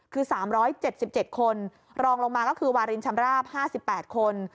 คือ๓๗๗คนรองลงมาก็คือวารินชำราบ๕๘คน